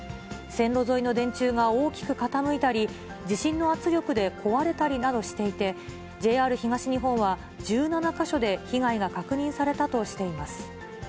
線路沿いの電柱が大きく傾いたり、地震の圧力で壊れたりなどしていて、ＪＲ東日本は１７か所で被害が確認されたとしています。